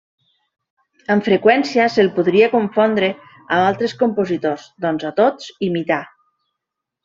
Amb freqüència se'l podria confondre amb altres compositors, doncs, a tots imità.